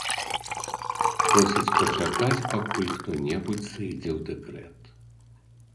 Просяць пачакаць, пакуль хто-небудзь сыдзе ў дэкрэт.